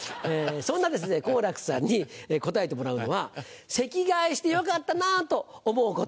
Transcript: そんな好楽さんに答えてもらうのは席替えしてよかったなぁと思うこと。